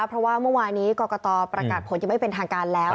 เพราะว่าเมื่อวานี้กรกตประกาศผลยังไม่เป็นทางการแล้ว